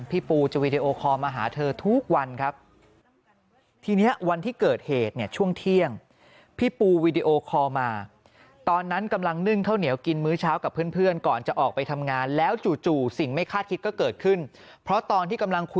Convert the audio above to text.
ปูจะวีดีโอคอลมาหาเธอทุกวันครับ